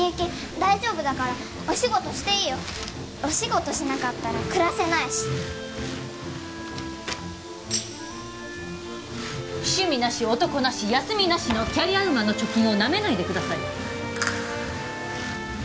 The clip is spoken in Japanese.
大丈夫だからお仕事していいよお仕事しなかったら暮らせないし趣味なし男なし休みなしのキャリアウーマンの貯金をなめないでください